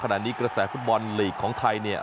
ขณะนี้กระแสฟุตบอลลีกของไทยเนี่ย